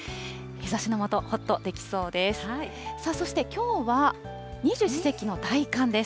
日ざしの下、ほっとできそうです。